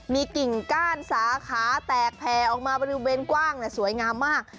มีกิ่งก้านสาขาแตกแผ่ออกมาบริเวณกว้างสวยงามมาก